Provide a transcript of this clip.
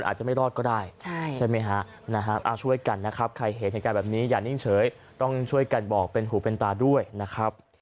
ชอบช่วยกันนะครับ